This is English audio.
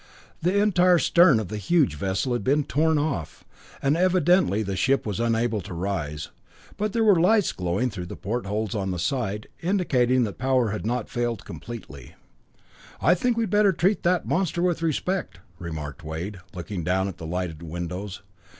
The entire stern of the huge vessel had been torn off, and evidently the ship was unable to rise, but there were lights glowing through the portholes on the side, indicating that power had not failed completely. "I think we'd better treat that monster with respect," remarked Wade, looking down at the lighted windows.